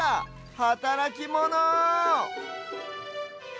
はたらきモノ！